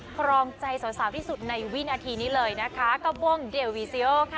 ครองใจสาวสาวที่สุดในวินาทีนี้เลยนะคะกระบวงเดลวีซีโอค่ะ